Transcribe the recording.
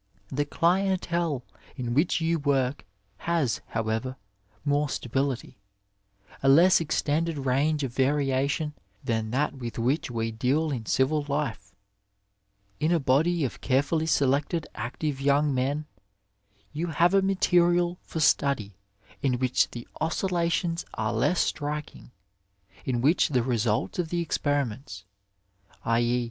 The dientSe in which you work has, however, more stability, a less extended range of variation than that with which we deal in civil life. In 112 Digitized by Google THE ARMY SURGEON a body of carefully selected active young men, you have a material for atudy in which the oscillations are leas striking, and in which the results of the experiments, i.e.